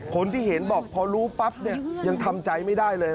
คนที่เห็นบอกพอรู้ปั๊บเนี่ยยังทำใจไม่ได้เลย